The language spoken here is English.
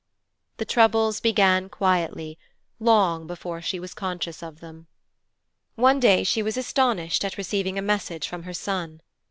The troubles began quietly, long before she was conscious of them. One day she was astonished at receiving a message from her son.